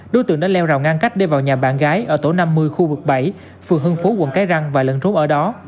đối tượng đã leo rào ngang cách để vào nhà bạn gái ở tổ năm mươi khu vực bảy phường hương phú quận cái răng và lận rốt ở đó